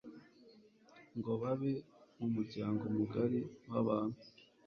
ngo babe mu muryango mugari wabantu